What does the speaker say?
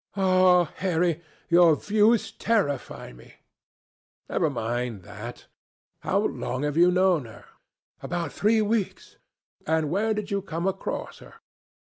"Ah! Harry, your views terrify me." "Never mind that. How long have you known her?" "About three weeks." "And where did you come across her?"